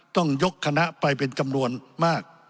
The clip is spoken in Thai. ต้องยกคณะไปเป็นจำนวนมาก